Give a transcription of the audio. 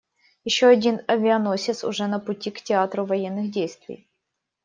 Еще один авианосец уже на пути к театру военных действий.